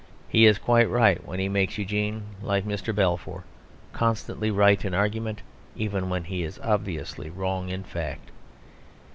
He is quite right when he makes Eugene (like Mr. Balfour) constantly right in argument even when he is obviously wrong in fact.